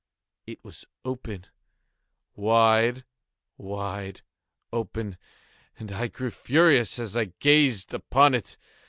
It was open—wide, wide open—and I grew furious as I gazed upon it.